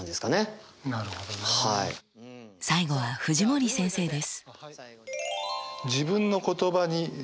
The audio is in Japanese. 最後は藤森先生です。